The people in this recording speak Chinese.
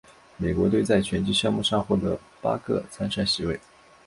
美国队在拳击项目上获得八个参赛席位。